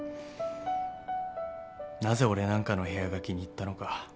なぜ俺なんかの部屋が気に入ったのか。